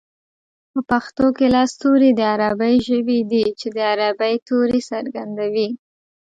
په پښتو کې لس توري د عربۍ ژبې دي چې د عربۍ توري څرګندوي